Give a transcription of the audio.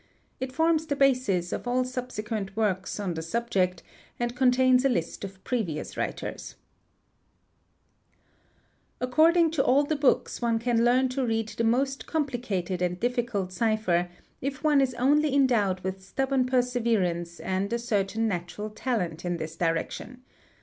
It forms the basis of all subsequent works on the subject and contains a list of previous writers 69, | According to all the books one can learn to read the most complicated 4 and difficult cipher if one is only endowed with stubborn perseverance and a certain natural talent in this direction.